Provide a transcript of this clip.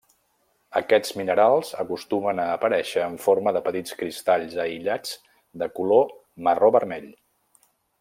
Aquests minerals acostumen a aparèixer en forma de petits cristalls aïllats de color marró-vermell.